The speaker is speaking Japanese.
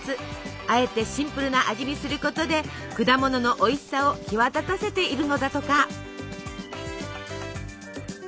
あえてシンプルな味にすることで果物のおいしさを際立たせているのだとか。